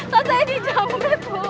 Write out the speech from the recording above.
tak saya di jambret bu